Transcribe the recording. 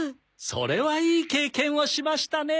それはいい経験をしましたね。